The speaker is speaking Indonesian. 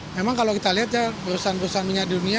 memang kalau kita lihat ya perusahaan perusahaan minyak dunia